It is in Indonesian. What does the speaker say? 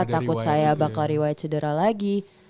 takut saya bakal riwayat cedera lagi